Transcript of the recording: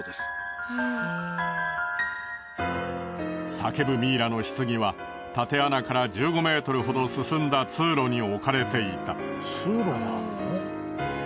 叫ぶミイラの棺はたて穴から１５ｍほど進んだ通路に置かれていた。